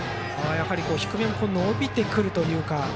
やはり低め伸びてくるというか。